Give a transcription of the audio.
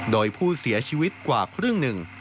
โดยผู้เสียชีวิตกว่าครึ่งหนึ่ง